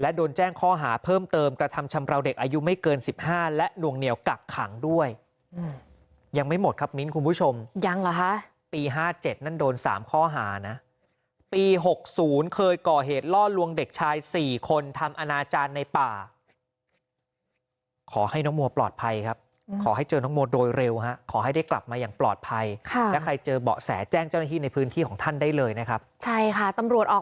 และนวงเหนียวกักขังด้วยยังไม่หมดครับมิ้นคุณผู้ชมยังหรอคะปี๕๗นั้นโดน๓ข้อหานะปี๖๐เคยก่อเหตุล่อลวงเด็กชาย๔คนทำอาณาจารย์ในป่าขอให้น้องมัวปลอดภัยครับขอให้เจอน้องมัวโดยเร็วขอให้ได้กลับมาอย่างปลอดภัยใครเจอเบาะแสแจ้งเจ้าหน้าที่ในพื้นที่ของท่านได้เลยนะครับใช่ค่ะตำรวจออก